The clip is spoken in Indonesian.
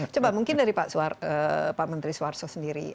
coba mungkin dari pak menteri suwarso sendiri